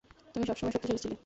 তুমি সবসময় শক্তিশালী ছিলে।